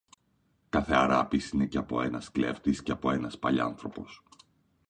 Κάθε Αράπης είναι και από ένας κλέφτης, και από ένας παλιάνθρωπος